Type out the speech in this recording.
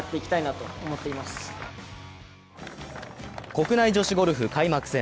国内女子ゴルフ開幕戦。